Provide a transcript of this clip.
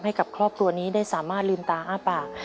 ให้กับครอบครัวนี้ได้สามารถลืมตาอ้าปาก